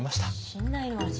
「信頼の味」？